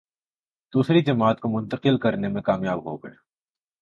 دوسری جماعت کو منتقل کرنے میں کامیاب ہو گئے۔